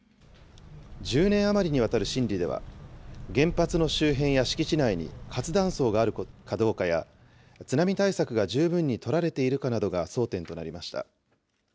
１０年余りにわたる審理では、原発の周辺や敷地内に活断層があるかどうかや、津波対策が十分に取られているかなどが争点となりました。